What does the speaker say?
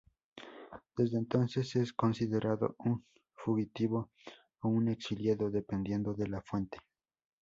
Desde entonces es considerado un fugitivo o un exiliado, dependiendo de la fuente.